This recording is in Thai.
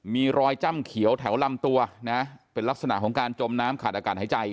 มีรอยจ้ำเขียวแถวลำตัวนะเป็นลักษณะของการจมน้ำขาดอากาศหายใจ